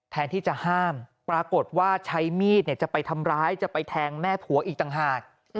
แทนที่จะห้ามปรากฏว่าใช้มีดจะไปทำร้ายจะไปแทงแม่ผัวอีกต่างหาก